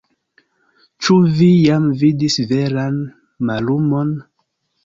Ĉu vi jam vidis veran mallumon?